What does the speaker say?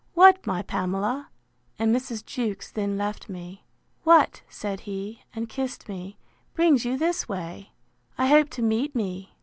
What, my Pamela! (and Mrs. Jewkes then left me,) What (said he, and kissed me) brings you this way? I hope to meet me.